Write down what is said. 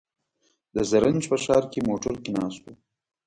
د زرنج په ښار کې موټر کې ناست و.